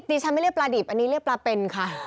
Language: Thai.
ดิฉันไม่เรียกปลาดิบอันนี้เรียกปลาเป็นค่ะ